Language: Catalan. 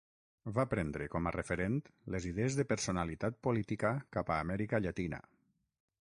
Va prendre com a referent les idees de personalitat política cap a Amèrica Llatina.